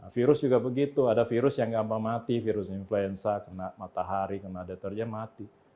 virus juga begitu ada virus yang gampang mati virus influenza kena matahari kena deterjen mati